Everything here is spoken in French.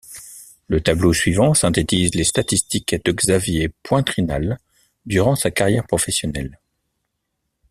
Le tableau suivant synthétise les statistiques de Xavier Poitrinal durant sa carrière professionnelle.